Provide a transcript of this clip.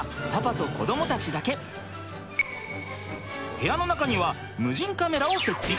部屋の中には無人カメラを設置。